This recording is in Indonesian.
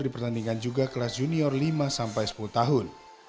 di pertandingan juga kelas junior lima sampai sepuluh tahun